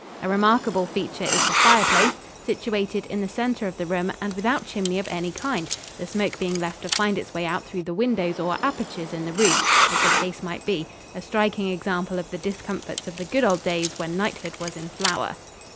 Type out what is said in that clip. A remarkable feature is the fireplace, situated in the center of the room and without chimney of any kind, the smoke being left to find its way out through the windows or apertures in the roof, as the case might be a striking example of the discomforts of the good old days when knighthood was in flower.